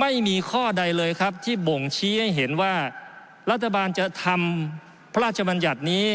ไม่มีข้อใดเลยครับที่บ่งชี้ให้เห็นว่ารัฐบาลจะทำพระราชบัญญัตินี้